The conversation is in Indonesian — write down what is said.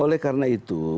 oleh karena itu